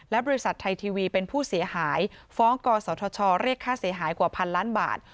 และบริษัทไทยทีวีเป็นผู้เสียหายฟ้องกศธชเรียกค่าเสียหายกว่าพันล้านบาท